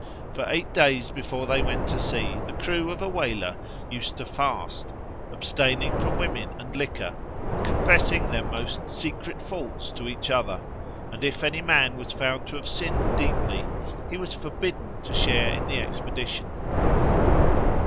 For eight days before they went to sea the crew of a whaler used to fast, abstaining from women and liquor, and confessing their most secret faults to each other; and if any man was found to have sinned deeply, he was forbidden to share in the expedition.